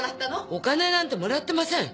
お金なんて貰ってません！